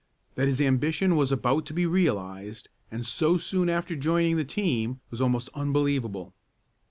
That his ambition was about to be realized, and so soon after joining the team, was almost unbelievable.